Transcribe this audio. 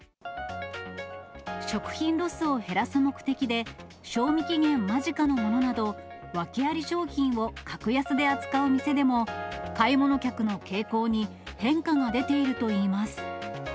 食品ロスを減らす目的で、賞味期限間近のものなど、訳あり商品を格安で扱う店でも、買い物客の傾向に変化が出ているといいます。